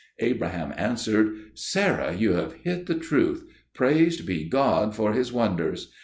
Abraham answered, "Sarah, you have hit the truth; praised be God for His wonders.